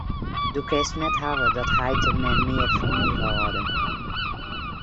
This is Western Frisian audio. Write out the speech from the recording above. Do kinst it net hawwe dat heit en mem mear fan my hâlde.